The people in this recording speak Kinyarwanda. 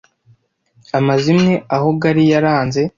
amazimwe aho gall yaranze